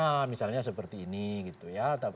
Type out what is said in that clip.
ya misalnya seperti ini gitu ya